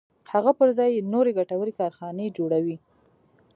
هغه پر ځای یې نورې ګټورې کارخانې جوړوي